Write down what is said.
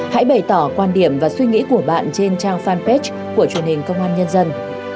hãy bày tỏ quan điểm và suy nghĩ của bạn trên trang fanpage của truyền hình công an nhân dân